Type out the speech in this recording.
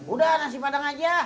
udah nasi padang aja